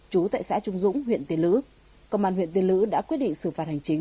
chú tại xã trung dũng huyện tiên lữ công an huyện tiên lữ đã quyết định xử phạt hành chính